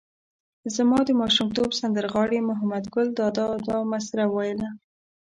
زما د ماشومتوب سندر غاړي محمد ګل دادا دا مسره ویله.